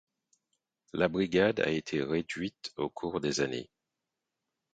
La brigade a été réduite au cours des années.